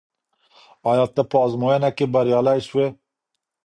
آیا ته په ازموينه کي بريالی سوې؟